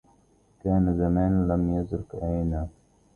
كان زمان لم يزل كائنا